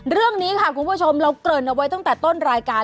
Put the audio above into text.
เรื่องนี้ค่ะคุณผู้ชมเราเกริ่นเอาไว้ตั้งแต่ต้นรายการ